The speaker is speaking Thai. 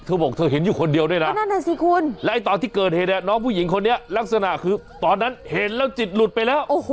เธอบอกเธอเห็นอยู่คนเดียวด้วยนะสิคุณและตอนที่เกิดเหตุน้องผู้หญิงคนนี้ลักษณะคือตอนนั้นเห็นแล้วจิตหลุดไปแล้ว